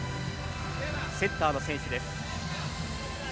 セッターの選手です。